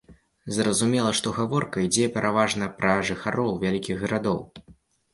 Зразумела, што гаворка ідзе пераважна пра жыхароў вялікіх гарадоў.